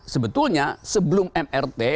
sebetulnya sebelum mrt